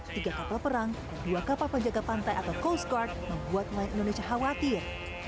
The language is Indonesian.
tiga kapal perang dua kapal penjaga pantai atau coast guard membuat nelayan indonesia khawatir